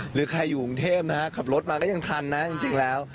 หรือใครอยู่กรุงเทพนะฮะขับรถมาก็ยังทันนะจริงแล้ว